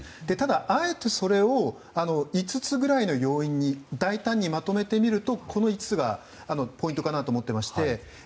ただ、あえてそれを５つくらいの要因に大胆にまとめてみるとこの５つがポイントだと思います。